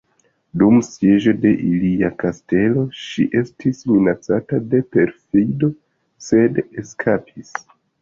Dum sieĝo de ilia kastelo ŝi estis minacata de perfido sed eskapis.